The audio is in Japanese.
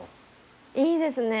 いいですね。